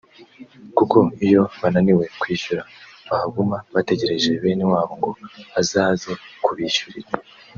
kuko iyo bananiwe kwishyura bahaguma bategereje bene wabo ngo bazaze kubishyurira